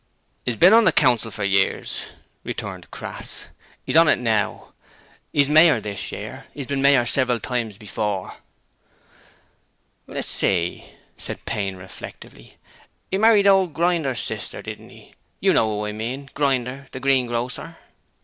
''E's bin on the Council for years,' returned Crass. ''E's on it now. 'E's mayor this year. 'E's bin mayor several times before.' 'Let's see,' said Payne, reflectively, ''e married old Grinder's sister, didn't 'e? You know who I mean, Grinder the greengrocer.'